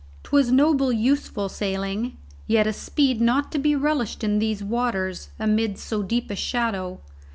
'Twas noble useful sailing, yet a speed not to be relished in these waters amid so deep a shadow.